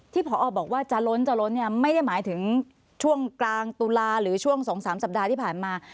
ผอบอกว่าจะล้นจะล้นเนี่ยไม่ได้หมายถึงช่วงกลางตุลาหรือช่วง๒๓สัปดาห์ที่ผ่านมา